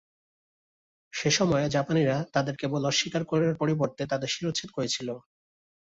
সেই সময়ে, জাপানীরা তাদের কেবল অস্বীকার করার পরিবর্তে তাদের শিরশ্ছেদ করেছিল।